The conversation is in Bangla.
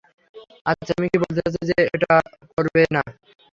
আচ্ছা, তুমি কি বলতে চাচ্ছ, ও এটা করবে না?